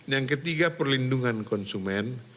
yang ketiga perlindungan konsumen